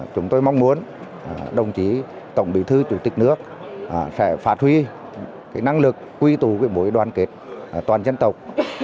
chúng tôi mong muốn đồng chí tổng bí thư chủ tịch nước sẽ phát huy năng lực quy tù với mối đoàn kết toàn dân tộc